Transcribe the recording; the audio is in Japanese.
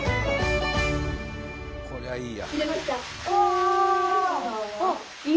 こりゃいいや。